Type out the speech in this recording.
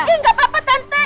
eh gak apa apa tante